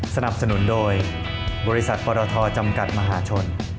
สนับสนุนโดยบริษัทปรทจำกัดมหาชน